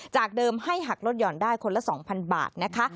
จากเดิมให้หักลดหย่อนได้คนละ๒๐๐บาทนะคะ